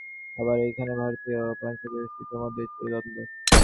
আবার এইখানেই ভারতীয় ও পাশ্চাত্য চিন্তাপ্রণালীর মধ্যে চিরদ্বন্দ্ব।